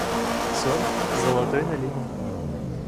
– Сорт «золотой налив».